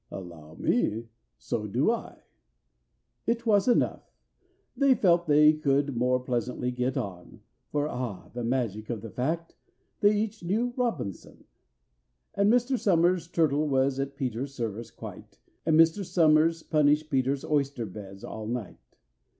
"Allow me, so do I." It was enough: they felt they could more pleasantly get on, For (ah, the magic of the fact!) they each knew ROBINSON! And Mr. SOMERS' turtle was at PETER'S service quite, And Mr. SOMERS punished PETER'S oyster beds all night.